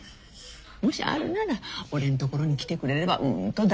もしあるなら俺んところに来てくれればうんと大事にするけどなって。